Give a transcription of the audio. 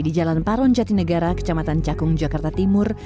di jalan paron jatinegara kecamatan cakung jakarta timur